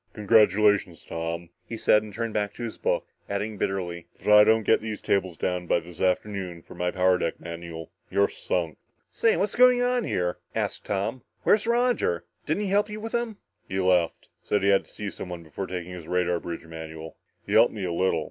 "Congratulations, Tom," he said, and turned back to his book, adding bitterly, "but if I don't get these tables down by this afternoon for my power deck manual, you're sunk." "Say what's going on here?" asked Tom. "Where's Roger? Didn't he help you with them?" "He left. Said he had to see someone before taking his radar bridge manual. He helped me a little.